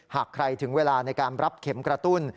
หากใครถึงเวลาในการรับเข็มกระตุ้น